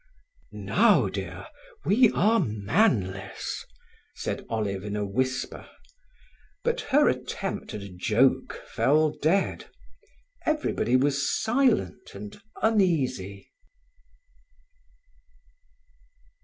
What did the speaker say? "Now, dear, we are manless," said Olive in a whisper. But her attempt at a joke fell dead. Everybody was silent and uneasy.